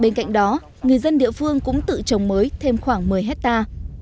bên cạnh đó người dân địa phương cũng tự trồng mới thêm khoảng một mươi hectare